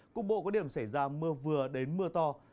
cục bộ có điểm xảy ra mưa vừa đến mưa to